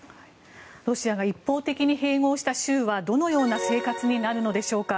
ロシアが一方的に併合した州はどのような生活になるのでしょうか。